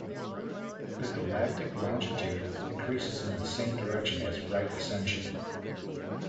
The galactic longitude increases in the same direction as right ascension.